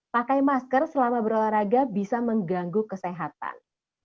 pakai masker selama berolahraga bisa mengganggu kesehatan